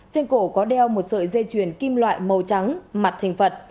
trên cổ có đeo một sợi dây chuyền kim loại màu trắng mặt hình phật